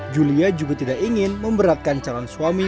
julia juga tidak ingin memberatkan calon suami